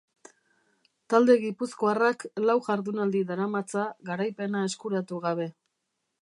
Talde gipuzkoarrak lau jardunaldi daramatza garaipena eskuratu gabe.